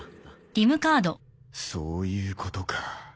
そういうことか。